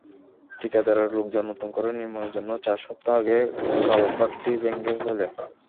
ঠিকাদারের লোকজন নতুন করে নির্মাণের জন্য চার সপ্তাহে আগে কালভার্টটি ভেঙে ফেলে।